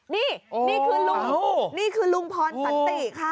นี่นี่คือลุงลุงพรตันนติค่ะ